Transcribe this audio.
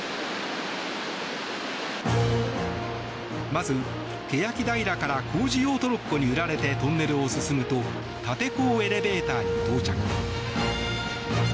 まず、欅平から工事用トロッコに揺られてトンネルを進むと竪坑エレベーターに到着。